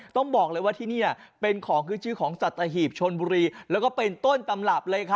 ต้องบอกเลยว่าที่นี่เป็นของขึ้นชื่อของสัตหีบชนบุรีแล้วก็เป็นต้นตำรับเลยค่ะ